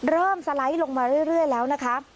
สไลด์ลงมาเรื่อยแล้วนะคะ